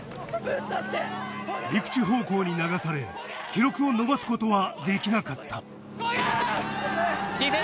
陸地方向に流され記録をのばす事はできなかった・漕げ！